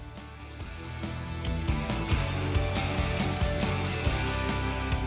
perlindungan perusahaan di area ini